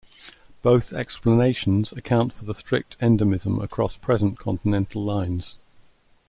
Both explanations account for the strict endemism across present continental lines.